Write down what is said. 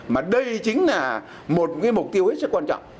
mà đây chính là một mục tiêu rất quan trọng